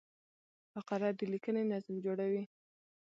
فقره د لیکني نظم جوړوي.